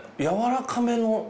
やわらかめの。